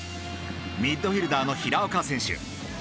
ミッドフィルダーの平岡選手。